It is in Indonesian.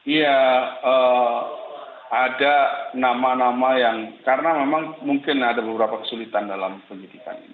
iya ada nama nama yang karena memang mungkin ada beberapa kesulitan dalam penyidikan ini